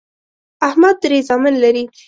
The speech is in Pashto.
احمد درې زامن لري